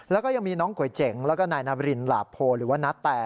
แล้วก็ยังมีน้องก๋วยเจ๋งแล้วก็นายนาบรินหลาโพหรือว่านาแต